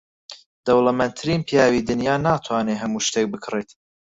دەوڵەمەندترین پیاوی دنیا ناتوانێت هەموو شتێک بکڕێت.